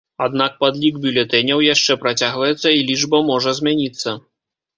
Аднак падлік бюлетэняў яшчэ працягваецца і лічба можа змяніцца.